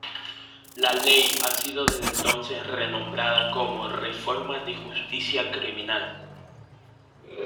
La ley ha sido desde entonces renombrada como "reformas de justicia criminal".